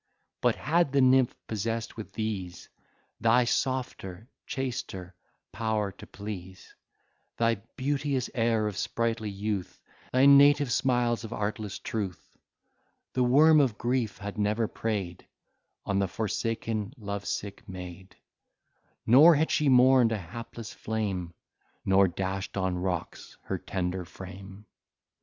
But had the nymph possessed with these Thy softer, chaster, power to please; Thy beauteous air of sprightly youth, Thy native smiles of artless truth; The worm of grief had never preyed On the forsaken love sick maid: Nor had she mourn'd a hapless flame, Nor dash'd on rocks her tender frame.